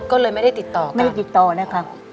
ก็เลยไม่ได้ติดต่อไม่ได้ติดต่อนะครับ